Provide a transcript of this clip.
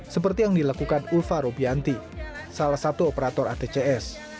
seperti yang dilakukan ulfa robianti salah satu operator atcs